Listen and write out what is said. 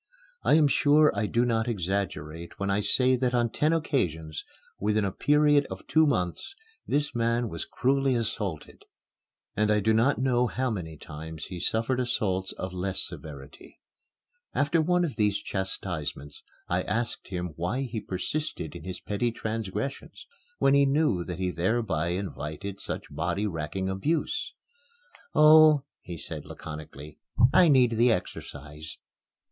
I am sure I do not exaggerate when I say that on ten occasions, within a period of two months, this man was cruelly assaulted, and I do not know how many times he suffered assaults of less severity. After one of these chastisements, I asked him why he persisted in his petty transgressions when he knew that he thereby invited such body racking abuse. "Oh," he said, laconically, "I need the exercise."